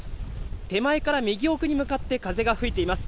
手前から右奥に向かって風が吹いています。